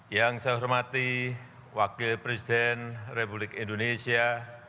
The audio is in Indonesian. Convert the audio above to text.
yang saya hormati wakil presiden republik indonesia